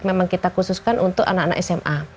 memang kita khususkan untuk anak anak sma